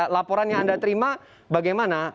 laporan yang anda terima bagaimana